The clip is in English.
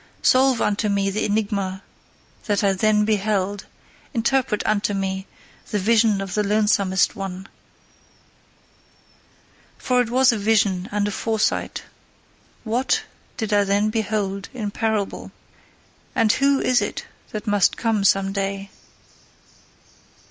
Solve unto me the enigma that I then beheld, interpret unto me the vision of the lonesomest one! For it was a vision and a foresight: WHAT did I then behold in parable? And WHO is it that must come some day?